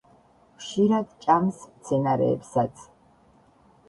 ხშირად ჭამს მცენარეებსაც.